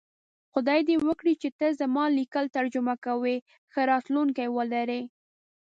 خدای دی وکړی چی ته زما لیکل ترجمه کوی ښه راتلونکی ولری